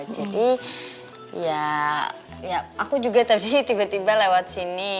jadi ya aku juga tadi tiba tiba lewat sini